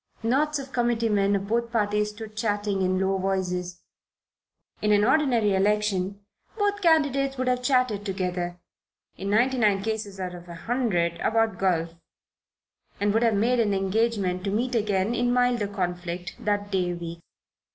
Knots of committee men of both parties stood chatting in low voices. In an ordinary election both candidates would have chatted together, in ninety nine cases out of a hundred about golf, and would have made an engagement to meet again in milder conflict that day week.